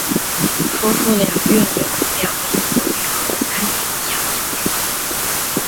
夫妇俩育有两名子女和三名领养子女。